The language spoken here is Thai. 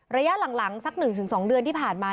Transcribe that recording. ระยะหลังสัก๑๒เดือนที่ผ่านมา